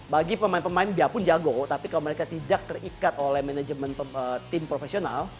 bagi pemain pemain biarpun jago tapi kalau mereka tidak terikat oleh manajemen tim profesional